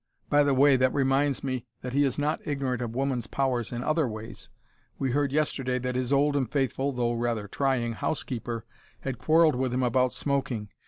By the way, that reminds me that he is not ignorant of woman's powers in other ways. We heard yesterday that his old and faithful though rather trying housekeeper had quarrelled with him about smoking!